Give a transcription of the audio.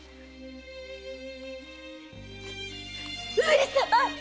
上様‼